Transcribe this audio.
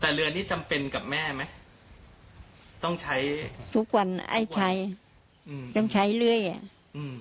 แต่เรือนี้จำเป็นกับแม่ไหมต้องใช้ทุกวันไอ้ใช้อืมต้องใช้เรื่อยอ่ะอืม